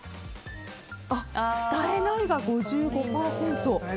伝えないが５５％。